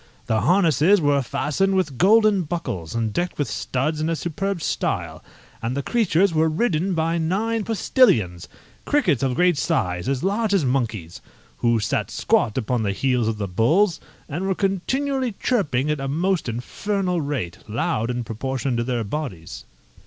The harnesses were fastened with golden buckles, and decked with studs in a superb style, and the creatures were ridden by nine postillions, crickets of a great size, as large as monkeys, who sat squat upon the heads of the bulls, and were continually chirping at a most infernal rate, loud in proportion to their bodies.